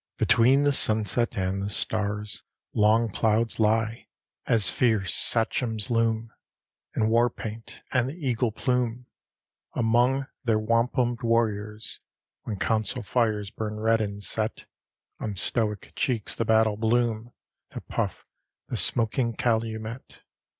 XLVI Between the sunset and the stars Long clouds lie as fierce sachems loom, In war paint and the eagle plume, Among their wampumed warriors, When council fires burn red and set On stoic cheeks the battle bloom, That puff the smoking calumet.